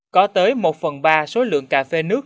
có tới một phần ba số lượng cà phê nước